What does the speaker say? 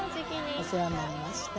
お世話になりました。